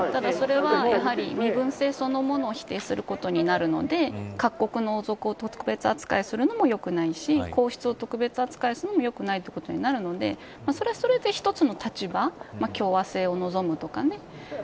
ただ、それは身分制そのものを否定することになるので各国の王族を特別扱いするのも良くないし皇室を特別扱いするのも良くないということになるのでそれはそれで一つの立場共和制を望むとかね。